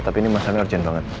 tapi ini masalahnya urgent banget